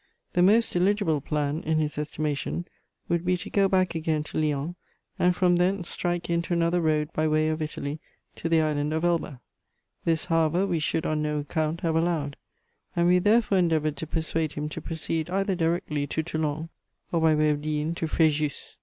The most eligible plan in his estimation would be to go back again to Lyons, and from thence strike into another road by way of Italy to the island of Elba. This, however, we should on no account have allowed, and we therefore endeavoured to persuade him to proceed either directly to Toulon, or by way of Digne to Fréjus.